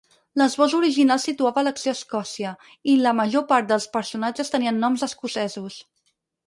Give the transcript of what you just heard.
L'esbós original situava l'acció a Escòcia, i la major part dels personatges tenien noms escocesos.